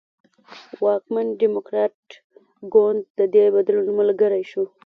واکمن ډیموکراټ ګوند د دې بدلون ملګری شو.